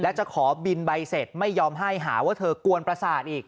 ว่าเธอกวนประสาทอีก